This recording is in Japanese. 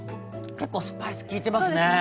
結構スパイス利いてますね。